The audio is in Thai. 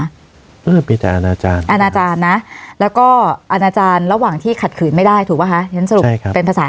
ก็มีแต่อาณาจารย์นะแล้วก็อาณาจารย์ระหว่างที่ขัดขืนไม่ได้ถูกไหมคะ